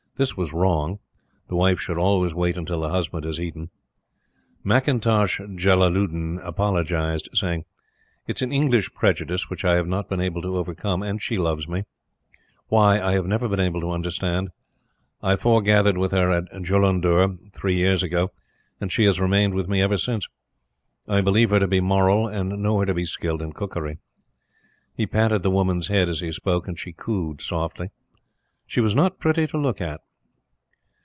This was wrong. The wife should always wait until the husband has eaten. McIntosh Jellaludin apologized, saying: "It is an English prejudice which I have not been able to overcome; and she loves me. Why, I have never been able to understand. I fore gathered with her at Jullundur, three years ago, and she has remained with me ever since. I believe her to be moral, and know her to be skilled in cookery." He patted the woman's head as he spoke, and she cooed softly. She was not pretty to look at.